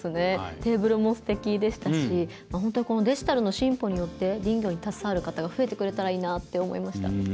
テーブルもすてきでしたし本当にデジタルの進歩によって林業に携わる方が増えてくれたらいいなって思いました。